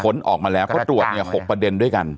ออกมาแล้วเพราะตรวจเนี่ย๖ประเด็นด้วยกัน